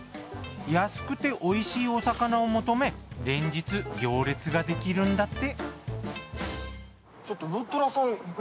安くて美味しいお魚を求め連日行列ができるんだって。